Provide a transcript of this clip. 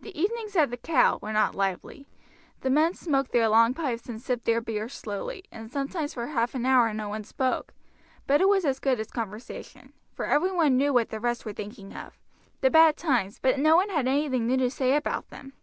The evenings at the "Cow" were not lively. The men smoked their long pipes and sipped their beer slowly, and sometimes for half an hour no one spoke; but it was as good as conversation, for every one knew what the rest were thinking of the bad times, but no one had anything new to say about them.